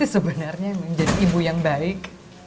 sebenarnya menjadi ibu yang baik